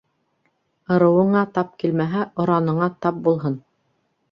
Ырыуыңа тап килмәһә, ораныңа тап булһын.